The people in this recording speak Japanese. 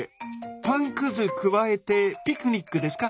パンくずくわえてピクニックですか？